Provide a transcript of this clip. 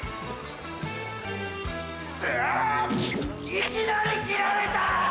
いきなり斬られた！